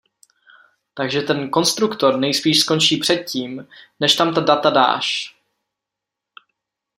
Takže ten konstruktor nejspíš skončí před tím, než tam ta data dáš.